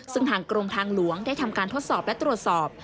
ซึ่งทางกรมทางหลวงได้ทำการทดสอบและตรวจสอบ